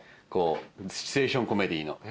シチュエーションコメディーの。